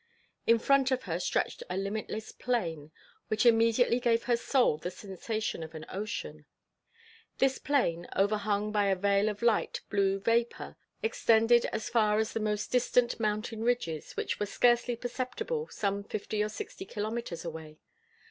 In front of her stretched a limitless plain, which immediately gave her soul the sensation of an ocean. This plain, overhung by a veil of light blue vapor, extended as far as the most distant mountain ridges, which were scarcely perceptible, some fifty or sixty kilometers away.